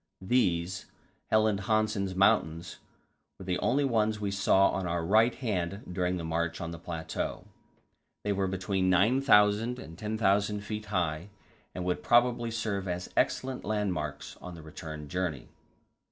These Helland Hansen's Mountains were the only ones we saw on our right hand during the march on the plateau; they were between 9,000 and 10,000 feet high, and would probably serve as excellent landmarks on the return journey.